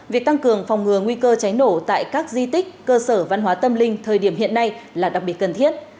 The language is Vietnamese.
việc tăng cường phòng ngừa nguy cơ cháy nổ tại các di tích cơ sở văn hóa tâm linh thời điểm hiện nay là đặc biệt cần thiết